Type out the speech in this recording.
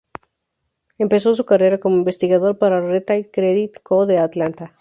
Empezó su carrera como investigador para la Retail Credit Co., de Atlanta.